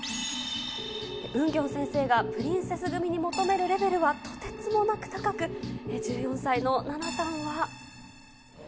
ウンギョン先生がプリンセス組に求めるレベルはとてつもなく高く、１４歳のナナさんは。